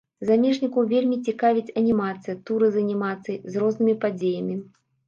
Замежнікаў вельмі цікавіць анімацыя, туры з анімацыяй, з рознымі падзеямі.